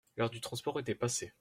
L'heure du transport était passée.